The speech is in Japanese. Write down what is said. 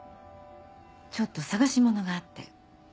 ちょっと探し物があって。